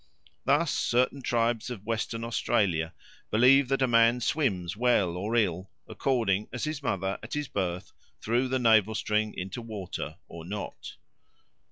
Thus certain tribes of Western Australia believe that a man swims well or ill, according as his mother at his birth threw the navel string into water or not.